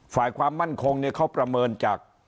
ฝ่ายความมั่นคงเนี่ยเขาประเมินจาก